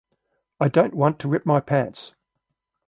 I don't want to rip my pants.